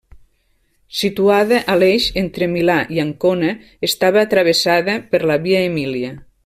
Situada a l'eix entre Milà i Ancona, estava travessada per la Via Emília.